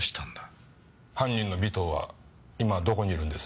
犯人の尾藤は今どこにいるんです？